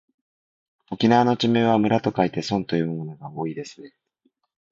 沖縄の地名は村と書いてそんと読むものが多いですね。